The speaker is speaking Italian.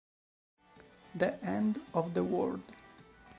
The End of the World